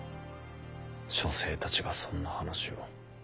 書生たちがそんな話を。